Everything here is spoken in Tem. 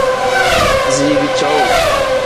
Ziibi cowuu.